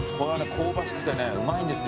香ばしくてねうまいんですよ。